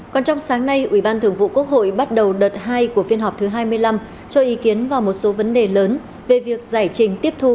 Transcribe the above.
còn trong sáng nay ủy ban thường vụ quốc hội bắt đầu đợt hai của phiên họp thứ hai mươi năm cho ý kiến vào một số vấn đề lớn về việc giải trình tiếp thu